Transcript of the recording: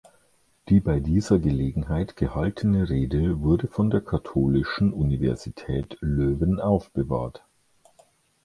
Die bei dieser Gelegenheit gehaltene Rede wurde von der Katholischen Universität Löwen aufbewahrt.